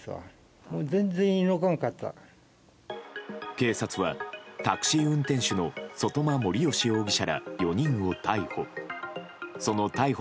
警察はタクシー運転手の外間盛吉容疑者ら４人を逮捕。